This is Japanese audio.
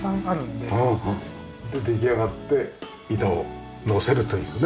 で出来上がって板をのせるというね。